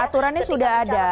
aturannya sudah ada